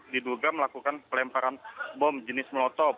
diduga melakukan pelemparan bom jenis melotop